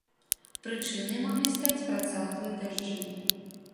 Прычынай маглі стаць працяглыя дажджы.